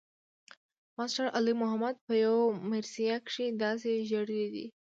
ماسټر علي محمد پۀ يو مرثيه کښې داسې ژړلے دے